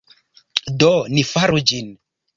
Do, ni faru ĝin